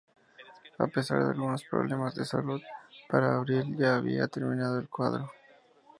A pesar de algunos problemas de salud, para abril ya había terminado el cuadro.